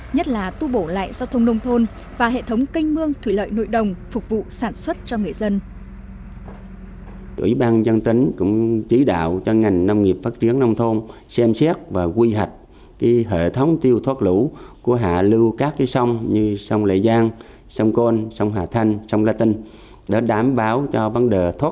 nhất là tu bổ lại giao thông nông thôn và hệ thống canh mương thủy lợi nội đồng phục vụ sản xuất cho người dân